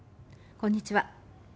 こんにちは。